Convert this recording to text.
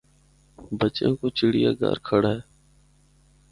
بچےاں کو چِڑّیا گھر کھَڑّا۔